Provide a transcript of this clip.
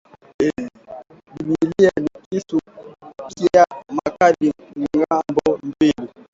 Bibilia ni kisu kya makali ngambo mbili